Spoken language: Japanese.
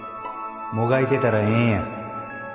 もがいてたらええんや。